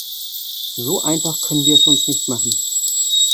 So einfach können wir es uns nicht machen.